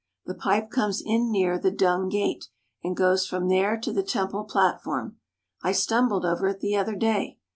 The pipe comes in near the Dung Gate and goes from there to the temple platform. I stumbled over it the other day.